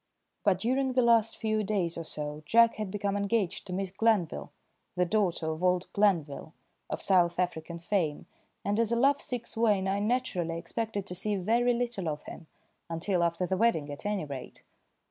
But during the last few days or so Jack had become engaged to Miss Glanville, the daughter of old Glanville, of South African fame, and as a love sick swain I naturally expected to see very little of him, until after the wedding at any rate.